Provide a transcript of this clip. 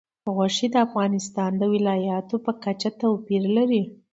غوښې د افغانستان د ولایاتو په کچه توپیر لري.